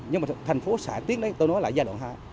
nhưng mà thành phố xả tiến đấy tôi nói là giai đoạn hai